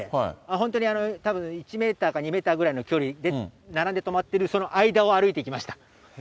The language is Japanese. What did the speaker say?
本当にたぶん、１メーターか２メーターぐらいの距離で並んで止まってる、その間を歩いていきました。